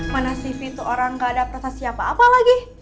mana si v itu orang gak ada perasaan siapa apa lagi